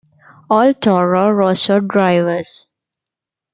All Toro Rosso drivers.